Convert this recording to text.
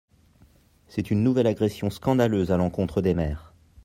C’est une nouvelle agression scandaleuse à l’encontre des maires.